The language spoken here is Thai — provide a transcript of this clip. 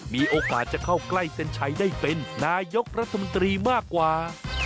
มีโอกาสจะเข้าใกล้เซ็นชัยได้เป็นนายกรัฐมนตรีมากกว่า